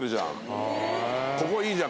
ここいいじゃん